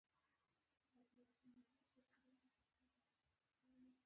هغو چيغو هم ډېر ټيټ کيفيت درلود.